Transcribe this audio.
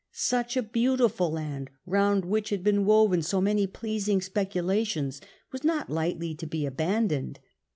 Such a beautiful land, round which had been woven so many pleasing speculations, was not lightly to be aban doned.